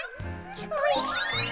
おいしい！